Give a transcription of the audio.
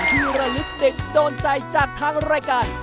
ที่ระลึกเด็กโดนใจจากทางรายการ